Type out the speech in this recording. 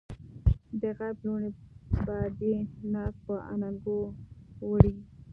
دغرب لوڼې به دې ناز په اننګو وړي